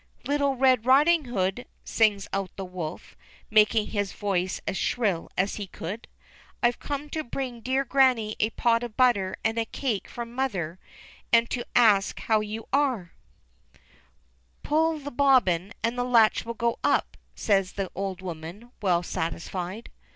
"Little Red Riding Hood," sings out the wolf, making his voice as shrill as he could. "I've come to bring dear Grannie a pot of butter and a cake from mother, and to ask how you are." 274 ENGLISH FAIRY TALES "Pull the bobbin, and the latch will go up," says the old woman, well satisfied.